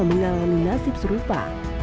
mengalami nasib serupa